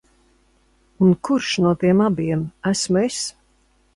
Un kurš no tiem abiem esmu es?